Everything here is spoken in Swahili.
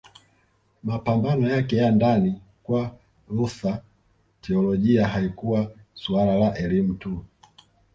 Mapambano yake ya ndani Kwa Luther teolojia haikuwa suala la elimu tu